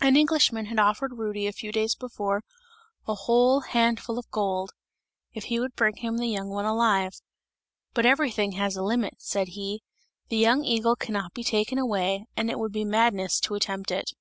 An Englishman had offered Rudy a few days before, a whole handful of gold, if he would bring him the young one alive, "but everything has a limit," said he, "the young eagle cannot be taken away, and it would be madness to attempt it!"